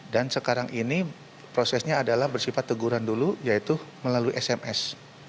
dan sekarang ini prosesnya adalah bersifat teguran dulu yaitu melalui sms